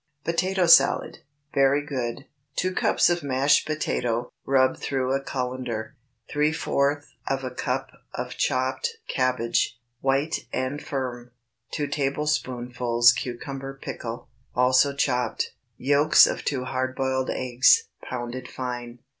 POTATO SALAD. ✠ (Very good.) 2 cups of mashed potato, rubbed through a cullender. ¾ of a cup of chopped cabbage—white and firm. 2 tablespoonfuls cucumber pickle, also chopped. Yolks of 2 hard boiled eggs, pounded fine.